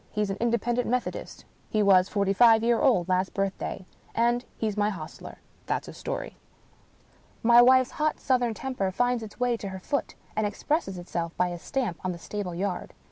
He's an Independent Methodist. He was forty five year old last birthday. And he's my hostler. That's his story." My wife's hot southern temper finds its way to her foot, and expresses itself by a stamp on the stable yard.